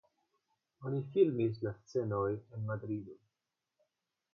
Oni filmis la scenojn en Madrido.